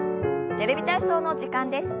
「テレビ体操」の時間です。